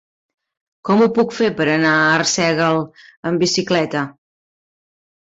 Com ho puc fer per anar a Arsèguel amb bicicleta?